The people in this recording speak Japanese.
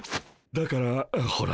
「だからほら」